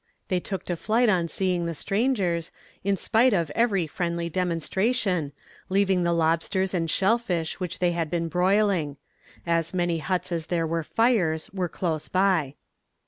They took to flight on seeing the strangers, in spite of every friendly demonstration, leaving the lobsters and shell fish which they had been broiling. As many huts as there were fires were close by.